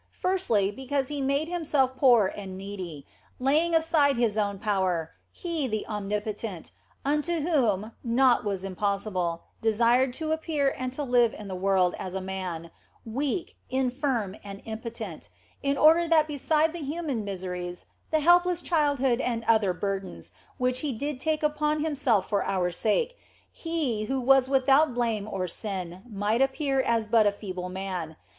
Firstly, be cause He made Himself poor and needy, laying aside His own power, He, the Omnipotent, unto whom naught was impossible, desired to appear and to live in the world as a man, weak, infirm, and impotent, in order that beside the human miseries, the helpless childhood and other burdens which He did take upon Himself for our sake, He who was without blame or sin might appear as but a feeble man.